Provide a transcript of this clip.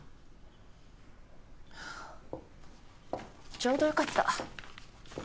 ちょうどよかった。